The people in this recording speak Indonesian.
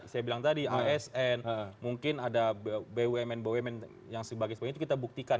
saya bilang tadi asn mungkin ada bumn bumn yang sebagainya itu kita buktikan